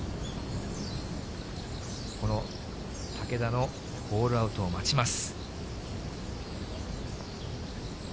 この竹田のホールアウトを待ちます。